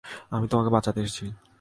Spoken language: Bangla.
আমি তোমাকে বাঁচাতে এসেছি।